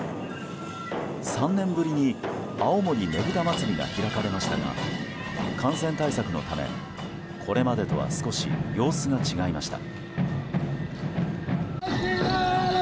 ３年ぶりに青森ねぶた祭が開かれましたが感染対策のため、これまでとは少し様子が違いました。